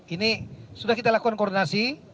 ini sudah kita lakukan koordinasi